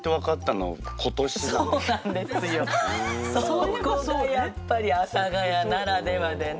そこがやっぱり阿佐ヶ谷ならではでね。